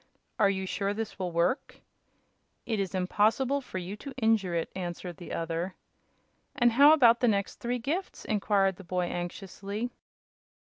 "Are you sure this will work?" "It is impossible for you to injure it," answered the other. "And how about the next three gifts?" inquired the boy, anxiously.